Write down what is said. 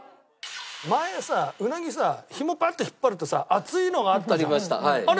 前さうなぎさひもバッと引っ張るとさ熱いのがあったじゃん。